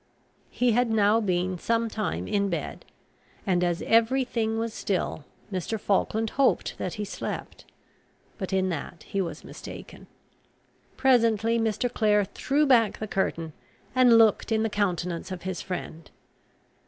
He had now been some time in bed, and, as every thing was still, Mr. Falkland hoped that he slept; but in that he was mistaken. Presently Mr. Clare threw back the curtain, and looked in the countenance of his friend.